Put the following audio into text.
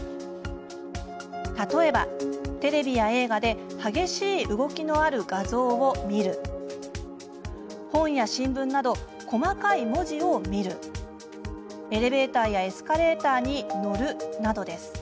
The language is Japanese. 例えばテレビや映画で激しい動きのある画像を見る本や新聞など細かい文字を見るエレベーターやエスカレーターに乗るなどです。